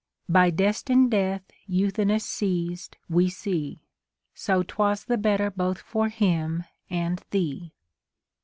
By destined death Euthynous seized we see ; So 'twas tlie better both for him and thee.